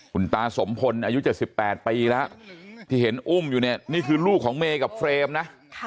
คุณตาสมพลอายุ๗๘ปีแล้วที่เห็นอุ้มอยู่เนี่ยนี่คือลูกของเมย์กับเฟรมนะ